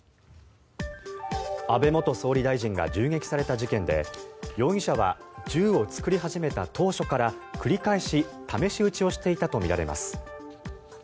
安倍元総理大臣が銃撃された事件で容疑者は銃を作り始めた当初から繰り返し、試し撃ちをしていたとみられます。